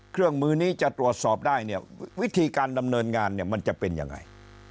เครื่องมือนี้จะตรวจสอบได้วิธีการดำเนินงานมันจะเป็นอย่างไร